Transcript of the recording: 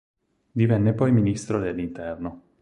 Divenne poi Ministro dell'Interno.